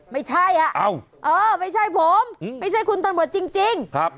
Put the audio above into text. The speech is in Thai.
ไม่ใช่อ่ะเออไม่ใช่ผมไม่ใช่คุณตำรวจจริงครับ